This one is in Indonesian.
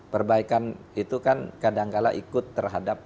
perbaikan itu kan kadang kadang ikut terhadap